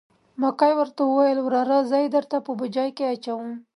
مکۍ ورته وویل: وراره زه یې درته په بوجۍ کې اچوم.